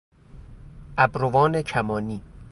ابروان کمانی